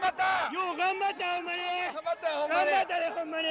よう頑張ったほんまに。